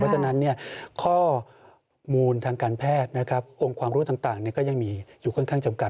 เพราะฉะนั้นข้อมูลทางการแพทย์นะครับองค์ความรู้ต่างก็ยังมีอยู่ค่อนข้างจำกัด